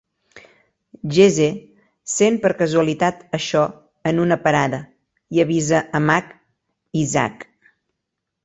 Jesse sent per causalitat això en una parada i avisa a Mac i Zack.